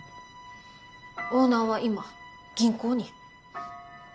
オーナーは今銀行に。